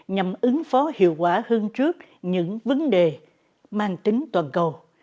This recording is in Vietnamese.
nhằm ứng phó hiệu quả hơn trước những vấn đề mang tính toàn cầu